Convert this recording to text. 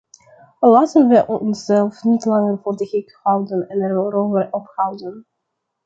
Laten we onszelf niet langer voor de gek houden en erover ophouden.